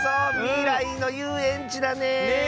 みらいのゆうえんちだね！